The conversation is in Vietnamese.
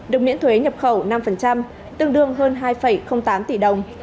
được miễn thuế nhập khẩu năm tương đương hơn hai tám tỷ đồng